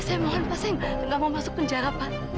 saya mohon pak saya gak mau masuk penjara pak